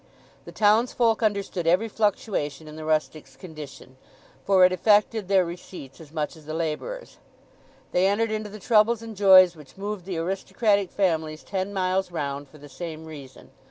The townsfolk understood every fluctuation in the rustic's condition, for it affected their receipts as much as the labourer's; they entered into the troubles and joys which moved the aristocratic families ten miles round—for the same reason.